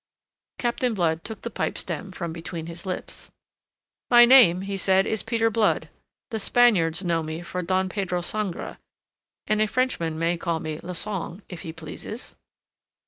Captain Blood took the pipe stem from between his lips. "My name," he said, "is Peter Blood. The Spaniards know me for Don Pedro Sangre and a Frenchman may call me Le Sang if he pleases."